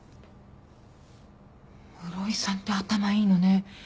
室井さんって頭いいのね。